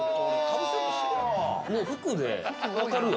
服で分かるよ。